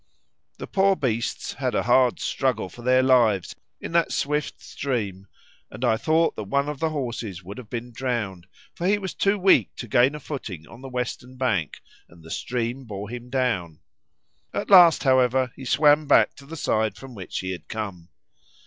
The poor beasts had a hard struggle for their lives in that swift stream; and I thought that one of the horses would have been drowned, for he was too weak to gain a footing on the western bank, and the stream bore him down. At last, however, he swam back to the side from which he had come.